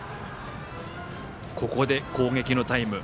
ここで攻撃のタイム。